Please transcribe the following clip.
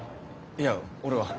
いや俺は。